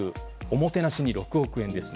おもてなしに６億円です。